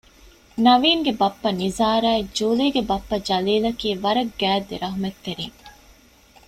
ނަވީންގެ ބައްޕަ ނިޒާރާއި ޖޫލީގެ ބައްޕަ ޖަލީލަކީ ވަރަށް ގާތް ދެރަޙްމަތްތެރިން